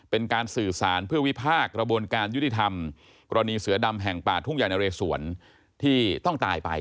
เป็นการสื่อสารเพื่อวิพากรยุติธรรมกรณีเสือดำแห่งป่าทุ่งใหญ่นะเรสวนที่ต้องตายไป